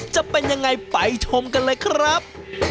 จะเป็นยังไงไปชมกันเลยครับ